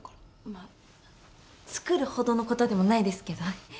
まあ作るほどのことでもないですけどね。